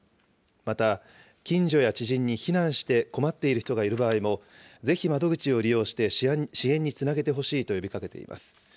また、近所や知人に避難して困っている人がいる場合も、ぜひ窓口を利用して支援につなげてほしいと呼びかけています。